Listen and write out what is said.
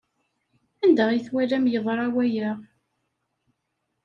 Anda ay twalam yeḍra waya?